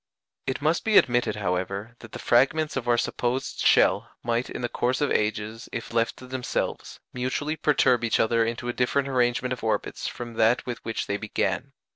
It must be admitted, however, that the fragments of our supposed shell might in the course of ages, if left to themselves, mutually perturb each other into a different arrangement of orbits from that with which they began.